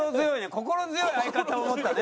心強い相方を持ったね。